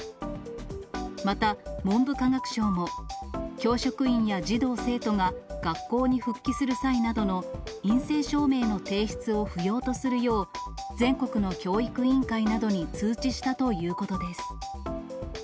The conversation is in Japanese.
また文部科学省も、教職員や児童・生徒が学校に復帰する際などの陰性証明の提出を不要とするよう、全国の教育委員会などに通知したということです。